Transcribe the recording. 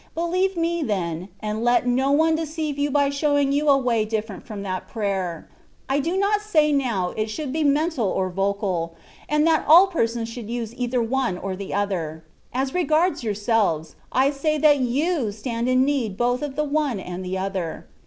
Believe me, then, and let no one deceive you by sho'vf ing you a way different from that of prayer. I do not say now it should be mental or vocal, and that all persons should use either the one or the other : as regards yourselves, I say that you stand in need both of the one and the other.